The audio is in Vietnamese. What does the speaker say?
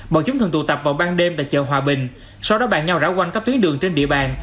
bọn chúng thường tụ tập vào ban đêm tại chợ hòa bình sau đó bạn nhau rão quanh các tuyến đường trên địa bàn